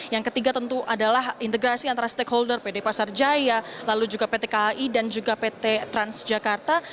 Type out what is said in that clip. yang ketiga tentu adalah integrasi antara stakeholder pd pasar jaya lalu juga pt kai dan juga pt transjakarta